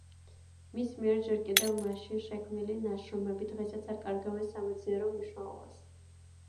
მის მიერ, ჯერ კიდევ მაშინ შექმნილი ნაშრომები დღესაც არ კარგავენ სამეცნიერო მნიშვნელობას.